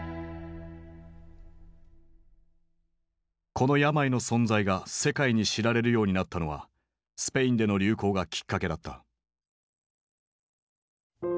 この病の存在が世界に知られるようになったのはスペインでの流行がきっかけだった。